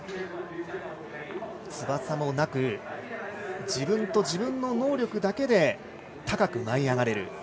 翼もなく自分と自分の能力だけで高く舞い上がれる。